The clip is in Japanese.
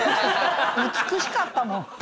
美しかったもん。